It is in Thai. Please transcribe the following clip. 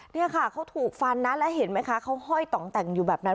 นี่ค่ะเขาถูกฟันนะแล้วเห็นไหมคะเขาห้อยต่องแต่งอยู่แบบนั้น